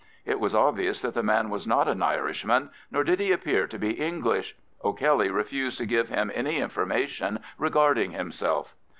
It was obvious that the man was not an Irishman, nor did he appear to be English. O'Kelly refused to give him any information regarding himself.